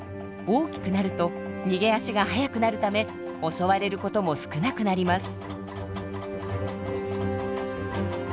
大きくなると逃げ足が速くなるため襲われることも少なくなります。